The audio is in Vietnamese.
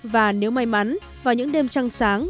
và nếu may mắn vào những đêm trăng sáng